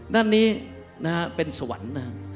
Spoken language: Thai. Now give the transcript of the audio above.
ด้านนี้นะฮะเป็นสวรรค์นะครับ